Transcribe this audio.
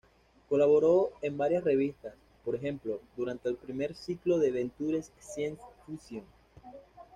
Colaboró en varias revistas, por ejemplo, durante el primer ciclo de "Venture Science Fiction".